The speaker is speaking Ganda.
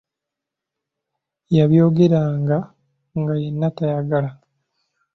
Yabyogeranga nga yenna tayagala.